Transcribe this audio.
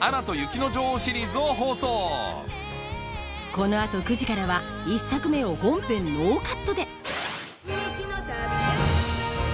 このあと９時からは１作目を本編ノーカットで！